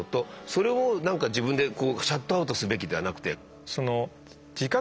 それをなんか自分でシャットアウトすべきではなくて。